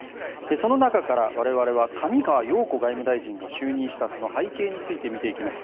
その中から我々は上川陽子外務大臣が就任したその背景について見ていきます。